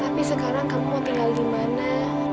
tapi sekarang kamu mau tinggal di mana